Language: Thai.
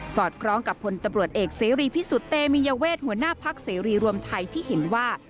อดคล้องกับพลตำรวจเอกเสรีพิสุทธิ์เตมียเวทหัวหน้าพักเสรีรวมไทยที่เห็นว่า